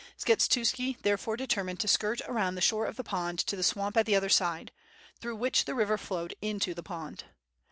Skshetuski therefore determined to skirt around the shore of the pond to the swamp at the other side, through which the river flowed into the pond.